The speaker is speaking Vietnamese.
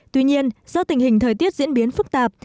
tuy nhiên do tình hình thời tiết diễn biến phức tạp